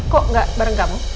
kok nggak bareng kamu